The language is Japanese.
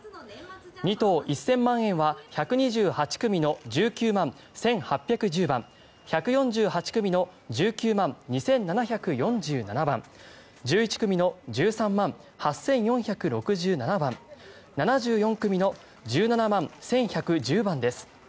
２等１０００万円は１２８組の１９１８１０番１４８組の１９２７４７番１１組の１３８４６７番７４組の１７１１１０番です。